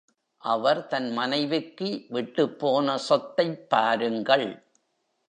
அவர் தன் மனைவிக்கு விட்டுப்போன சொத்தைப் பாருங்கள்.